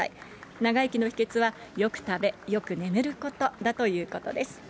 長生きの秘けつは、よく食べよく眠ることだということです。